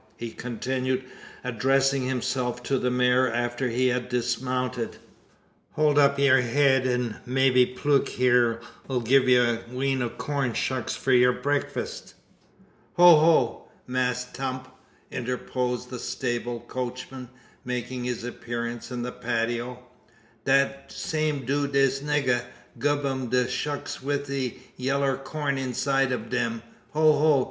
he continued, addressing himself to the mare, after he had dismounted, "Hold up yur head, an may be Plute hyur 'll gie ye a wheen o' corn shucks for yur breakfist." "Ho ho! Mass 'Tump," interposed the sable coachman, making his appearance in the patio. "Dat same do dis nigga gub um de shucks wi' de yaller corn inside ob dem. Ho ho!